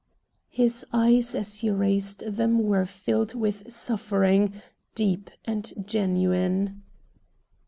His eyes as he raised them were filled with suffering, deep and genuine.